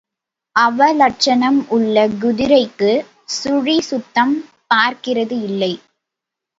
அவலட்சணம் உள்ள குதிரைக்குச் சுழி சுத்தம் பார்க்கிறது இல்லை.